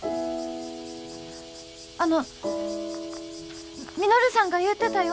あの稔さんが言うてたよ。